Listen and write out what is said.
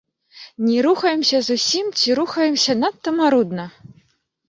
Не рухаемся зусім ці рухаемся надта марудна.